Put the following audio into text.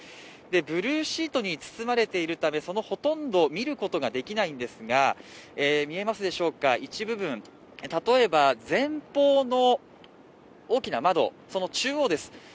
ブルーシートに包まれているためそのほとんどを見ることができないんですが、一部分、例えば前方の大きな窓、その中央です。